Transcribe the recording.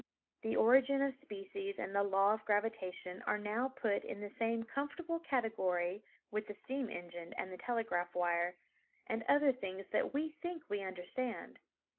The origin of species and the law of gravitation are now put in the same comfortable category with the steam engine and the telegraph wire and other things that we think we understand.